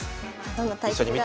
どんな対局か。